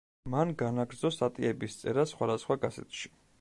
მან განაგრძო სტატიების წერა სხვადასხვა გაზეთში.